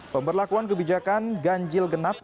pemberlakuan kebijakan ganjil genap